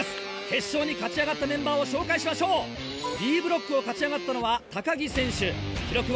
決勝に勝ち上がったメンバーを紹介しましょうＢブロックを勝ち上がったのは。